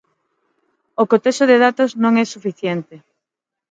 O cotexo de datos non é suficiente.